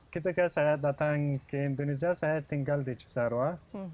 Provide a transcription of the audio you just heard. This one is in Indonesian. ketika saya datang ke indonesia saya tinggal di cisarua